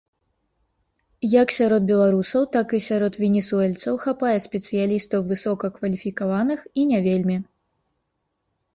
Як сярод беларусаў, так і сярод венесуэльцаў хапае спецыялістаў высокакваліфікаваных і не вельмі.